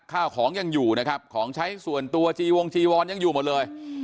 ข้าวของยังอยู่นะครับของใช้ส่วนตัวจีวงจีวอนยังอยู่หมดเลย